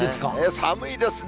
寒いですね。